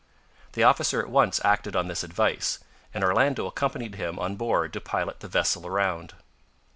The officer at once acted on this advice, and Orlando accompanied him on board to pilot the vessel round.